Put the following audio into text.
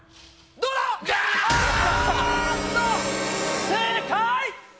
不正解！